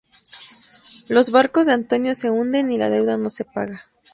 Los barcos de Antonio se hunden y la deuda no se paga.